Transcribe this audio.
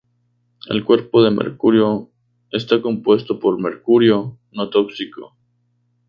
El cuerpo de Mercurio está compuesto por mercurio no tóxico.